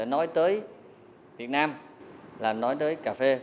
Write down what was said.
nói tới việt nam là nói tới cà phê